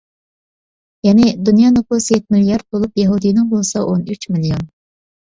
يەنى، دۇنيا نوپۇسى يەتتە مىليارد بولۇپ، يەھۇدىينىڭ بولسا ئون ئۈچ مىليون.